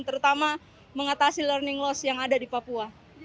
terutama mengatasi learning loss yang ada di papua